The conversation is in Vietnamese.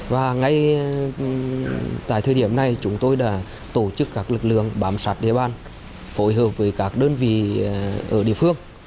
và ngay tại thời điểm này chúng tôi đã tổ chức các lực lượng bám sát địa bàn phối hợp với các đơn vị ở địa phương